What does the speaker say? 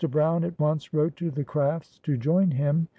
Brown at once wrote to the Crafts to join him.